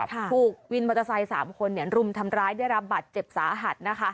ถูกวินมอเตอร์ไซค์๓คนรุมทำร้ายได้รับบัตรเจ็บสาหัสนะคะ